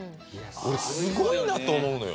俺すごいなと思うのよ。